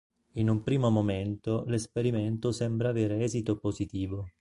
In un primo momento l’esperimento sembra avere esito positivo.